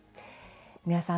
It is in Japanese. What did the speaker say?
三輪さん